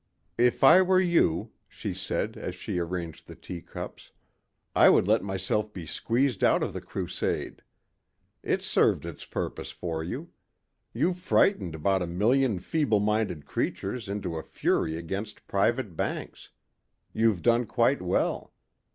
"If I were you," she said as she arranged the teacups, "I would let myself be squeezed out of the crusade. It's served its purpose for you. You've frightened about a million feeble minded creatures into a fury against private banks. You've done quite well.